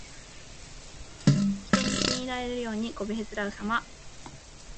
人に気に入られるようにこびへつらうさま。